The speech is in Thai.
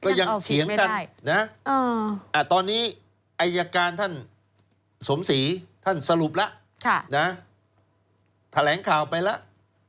เถียงกันนะตอนนี้อายการท่านสมศรีท่านสรุปแล้วแถลงข่าวไปแล้ว